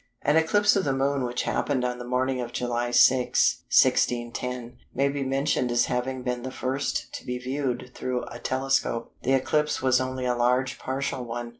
An eclipse of the Moon which happened on the morning of July 6, 1610, may be mentioned as having been the first to be viewed through a telescope. The eclipse was only a large partial one.